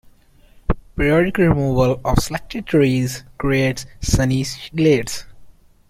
Periodic removal of selected trees creates sunny glades.